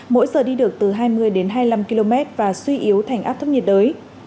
mỗi giờ đi được từ hai mươi hai mươi năm km và suy yếu thành áp thấp nhiệt đới